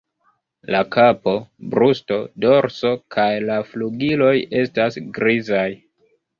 La kapo, brusto, dorso kaj la flugiloj estas grizaj.